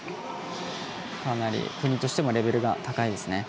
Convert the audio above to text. かなり国としてもレベル高いです。